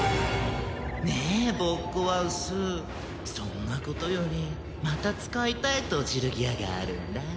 ねえボッコワウスそんなことよりまた使いたいトジルギアがあるんだ。